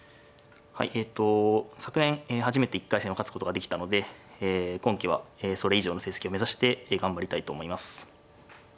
はいえと昨年初めて１回戦を勝つことができたのでえ今期はそれ以上の成績を目指して頑張りたいと思います。